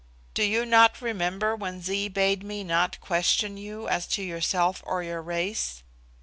Do you not remember when Zee bade me not question you as to yourself or your race?